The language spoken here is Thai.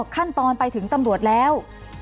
ขั้นตอนไปถึงตำรวจแล้ว